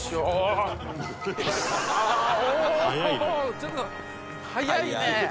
ちょっと速いね。